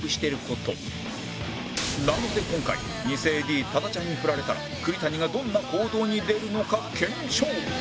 なので今回偽 ＡＤ 多田ちゃんにフラれたら栗谷がどんな行動に出るのか検証